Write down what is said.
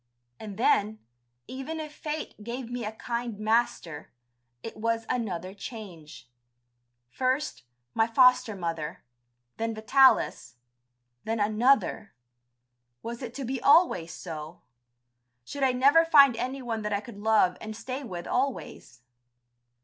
And then, even if fate gave me a kind master, it was another change. First, my foster mother, then Vitalis, then another.... Was it to be always so? Should I never find anyone that I could love and stay with always?